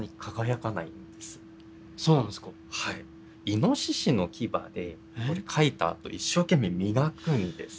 イノシシの牙でこれ書いたあと一生懸命磨くんです。